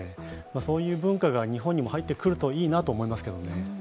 そういう文化が日本にも入ってくるといいなと思いますけどね。